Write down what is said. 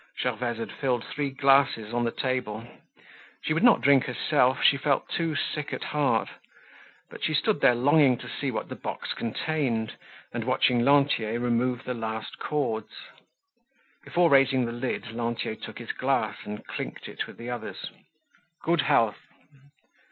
Gervaise had filled three glasses on the table. She would not drink herself, she felt too sick at heart, but she stood there longing to see what the box contained and watching Lantier remove the last cords. Before raising the lid Lantier took his glass and clinked it with the others. "Good health."